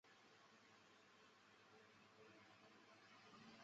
人肉搜索有时也造就了网路爆红现象。